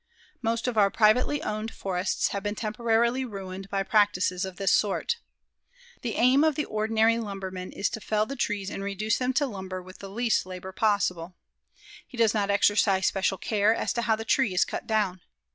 Most of our privately owned forests have been temporarily ruined by practices of this sort. The aim of the ordinary lumberman is to fell the trees and reduce them to lumber with the least labor possible. He does not exercise special care as to how the tree is cut down.